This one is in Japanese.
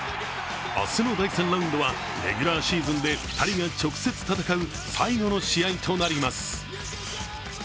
明日の第３ラウンドはレギュラーシーズンで２人が直接戦う最後の試合となります。